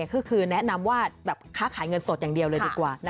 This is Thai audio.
คือแนะนำว่าค้าขายเงินสดอย่างเดียวเลยดีกว่า